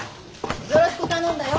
よろしく頼んだよ。